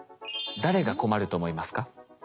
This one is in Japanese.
誰が困ると思いますか？